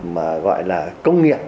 mà gọi là công nghiệp